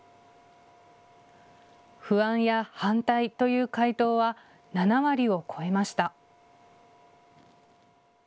不安や反対という回答は７割を超えました。